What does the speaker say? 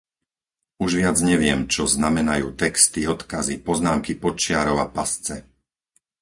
Už viac neviem, čo znamenajú texty, odkazy, poznámky pod čiarou a pasce.